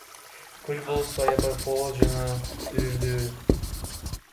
Көл болсо аябай кооз жана сүрдүү.